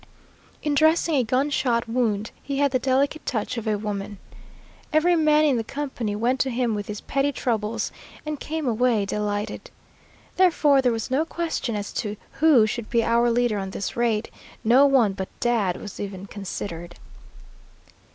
In dressing a gun shot wound, he had the delicate touch of a woman. Every man in the company went to him with his petty troubles, and came away delighted. Therefore there was no question as to who should be our leader on this raid; no one but Dad was even considered.